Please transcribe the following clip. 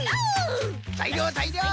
ざいりょうざいりょう。